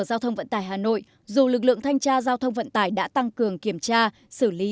giao thông vận tải hà nội dù lực lượng thanh tra giao thông vận tải đã tăng cường kiểm tra xử lý